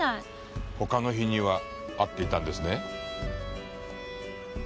他の日には会っていたんですね。